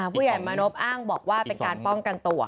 ผู้ใหญ่มานพอ้างบอกว่าเป็นการป้องกันตัว